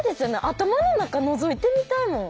頭の中のぞいてみたいもん。